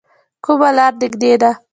کومه لار نږدې ده؟